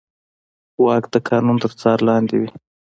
واک د قانون تر څار لاندې وي.